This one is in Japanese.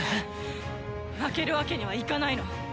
負けるわけにはいかないの。